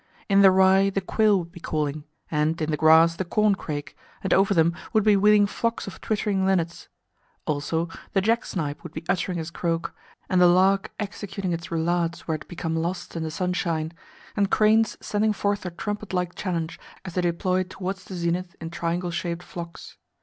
In the rye the quail would be calling, and, in the grass, the corncrake, and over them would be wheeling flocks of twittering linnets. Also, the jacksnipe would be uttering its croak, and the lark executing its roulades where it had become lost in the sunshine, and cranes sending forth their trumpet like challenge as they deployed towards the zenith in triangle shaped flocks.